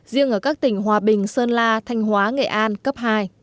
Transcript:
riêng ở các tỉnh hòa bình sơn la thanh hóa nghệ an cấp hai